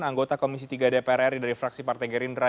anggota komisi tiga dprr dari fraksi partai gerindra